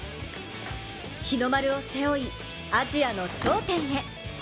日の丸を背負いアジアの頂点へ。